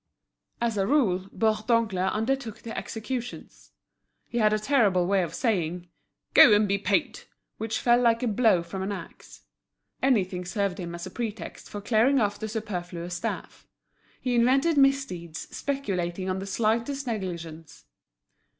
As a rule Bourdoncle undertook the executions. He had a terrible way of saying: "Go and be paid!" which fell like a blow from an axe. Anything served him as a pretext for clearing off the superfluous staff. He invented misdeeds, speculating on the slightest negligence.